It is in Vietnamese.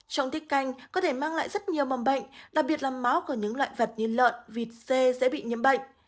trong tiết canh có thể mang lại rất nhiều mầm bệnh đặc biệt là máu của những loại vật như lợn vịt dê sẽ bị nhiễm bệnh